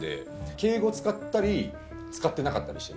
敬語使ったり使ってなかったりしてる。